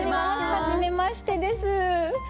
はじめましてです。